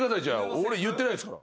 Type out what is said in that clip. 俺言ってないですから。